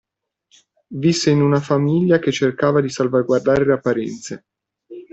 Visse in una famiglia che cercava di salvaguardare le apparenze.